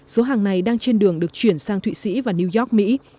số hàng này đang trên đường được chuyển sang thụy sĩ và new york mỹ